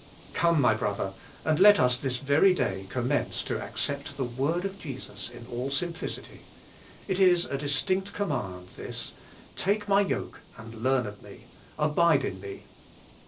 Come, my brother, and let us this very day com mence to accept the word of Jesus in all simplicity. It is a distinct command this: 'Take my yoke, and learn of me,' 'Abide in me.'